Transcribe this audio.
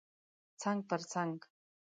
څنګ پر څنګ